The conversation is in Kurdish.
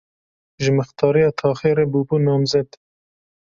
Ji mixtariya taxê re bûbû namzet.